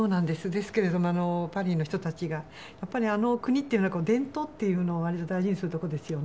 「ですけれどもパリの人たちがやっぱりあの国っていうのは伝統っていうのを割と大事にするところですよね」